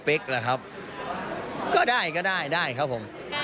สเปคล่ะครับก็ได้ครับผม